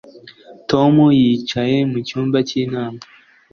Tom yicaye mu cyumba cyinama